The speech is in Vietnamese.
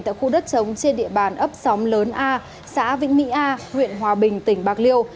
tại khu đất trống trên địa bàn ấp xóm lớn a xã vĩnh mỹ a huyện hòa bình tỉnh bạc liêu